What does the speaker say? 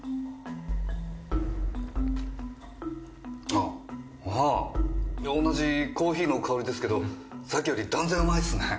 あっああ同じコーヒーの香りですけどさっきより断然うまいっすね。